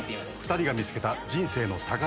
２人が見つけた人生の宝物とは。